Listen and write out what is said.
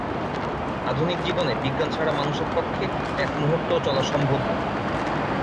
আধুনিক জীবনে বিজ্ঞান ছাড়া মানুষের পক্ষে এক মুহুর্তও চলা সম্ভব নয়।